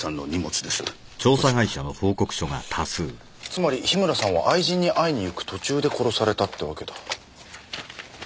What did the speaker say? つまり樋村さんは愛人に会いに行く途中で殺されたってわけだ。